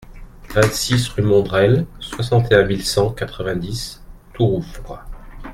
vingt-six rue Mondrel, soixante et un mille cent quatre-vingt-dix Tourouvre